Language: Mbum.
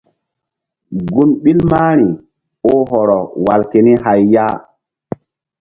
Gun ɓil mahri oh hɔrɔ wal keni hay ya.